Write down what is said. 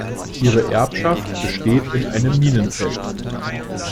Ihre Erbschaft besteht in einem Minenfeld.